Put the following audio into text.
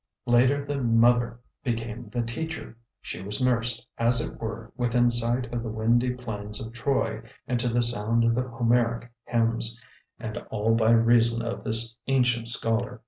Later the mother became the teacher. She was nursed, as it were, within sight of the windy plains of Troy and to the sound of the Homeric hymns and all by reason of this ancient scholar.